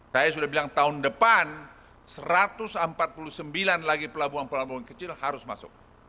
saya sudah bilang tahun depan satu ratus empat puluh sembilan lagi pelabuhan pelabuhan kecil harus masuk